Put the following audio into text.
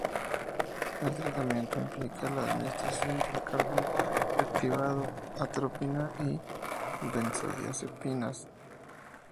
El tratamiento implica la administración de carbón activado, atropina y benzodiazepinas.